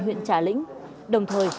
huyện trà lĩnh đồng thời